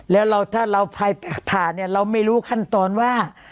แล้วถ้าเราผ่าเนี่ยเราไม่รู้ขั้นตอนว่า